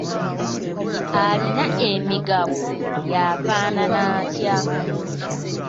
Alina emigabo y'afaanana atya?